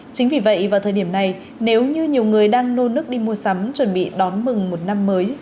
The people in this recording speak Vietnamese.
chính vì vậy vào thời điểm này nếu như nhiều người đang nô nước đi mua sắm chuẩn bị đón mừng một năm mới